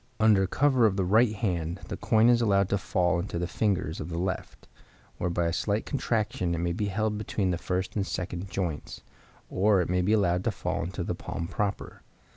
Under cover of the right hand the coin is allowed to fall into the fingers of the left, where by a slight contraction it may be held between the first and second joints, or it may be allowed to fall into the palm proper.